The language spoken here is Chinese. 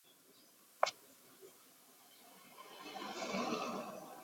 大杜鹃。